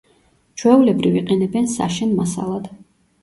ჩვეულებრივ იყენებენ საშენ მასალად.